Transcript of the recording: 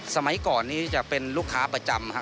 สมัยก่อนนี้จะเป็นลูกค้าประจำครับ